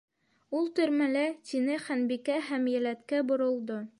—Ул төрмәлә, —тине Ханбикә һәм йәлләткә боролдо.